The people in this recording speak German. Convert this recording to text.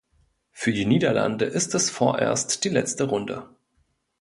Für die Niederlande ist es vorerst die letzte Runde.